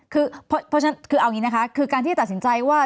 คือเอาอย่างนี้นะคะคือการที่ตัดสินใจว่า